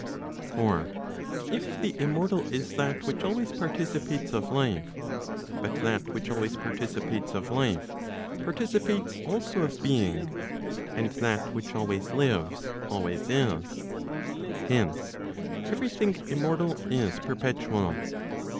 For if the immortal is that which always participates of life, but that which always participates of life, participates also of being, and that which always lives, always is,—hence, every thing immortal is perpetual.